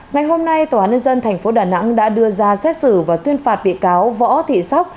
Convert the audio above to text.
ngày hôm nay tòa án nhân dân tp đà nẵng đã đưa ra xét xử và tuyên phạt bị cáo võ thị sóc